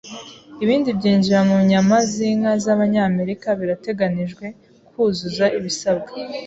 Ibindi byinjira mu nyama z’inka z’Abanyamerika birateganijwe kuzuza ibisabwa.